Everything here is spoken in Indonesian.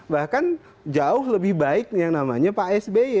bahkan jauh lebih baik yang namanya pak sby